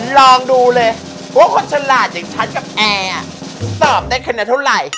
ลองดูเลยว่าคนฉลาดอย่างฉันกับแอร์ตอบได้คะแนนเท่าไหร่